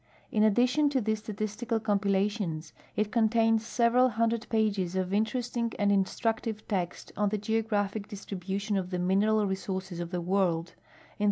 In atldition to these statistical compilations it contains several hundred pages of intere.sting and instructive te.xt on the geographic dis tribution of the mineral resources of the world, in the.